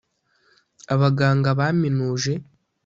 abaganga baminuje